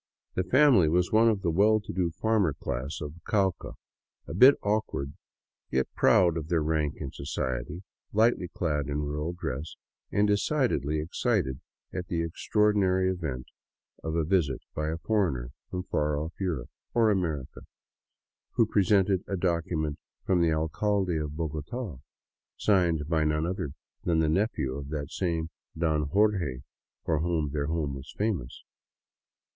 The family was of the well to do farmer class of the Cauca, a bit awkward, yet proud of their rank in society, lightly clad in rural dress, and decidedly ex cited at the extraordinary event of a visit by a foreigner from far off Europe — or America — who presented a document from the alcalde of Bogota, signed by none other than the nephew of that same " Don Jorge " for whom their home was famous.